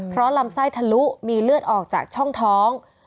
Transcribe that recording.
เพราะลำไส้ทะลุมีเลือดออกจากช่องท้อง